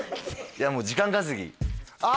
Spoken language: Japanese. いやもう時間稼ぎあ！